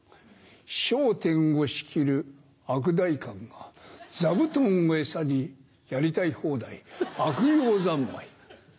『笑点』を仕切る悪代官が座布団を餌にやりたい放題悪行三昧。